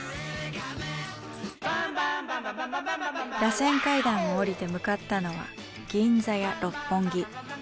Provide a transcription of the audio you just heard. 螺旋階段を下りて向かったのは銀座や六本木。